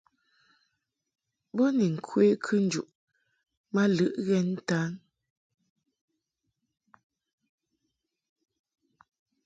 Bo ni ŋkwe kɨnjuʼ ma lɨʼ ghɛn ntan.